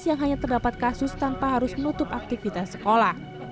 yang hanya terdapat kasus tanpa harus menutup aktivitas sekolah